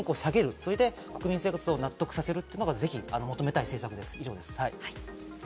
それで国民生活を納得させるということにしてもらいたいです。